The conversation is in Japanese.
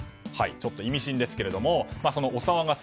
ちょっと意味深ですけれどもそのお騒がせ